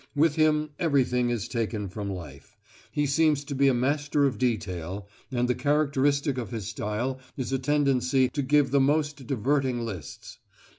With him everything is taken from life. He seems to be a master of detail, and the characteristic of his style is a tendency to give the most diverting lists.